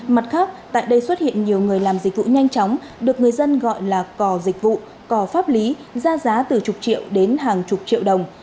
mặt khác tại đây xuất hiện nhiều người làm dịch vụ nhanh chóng được người dân gọi là cò dịch vụ cò pháp lý ra giá từ chục triệu đến hàng chục triệu đồng